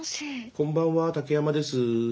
こんばんは竹山です。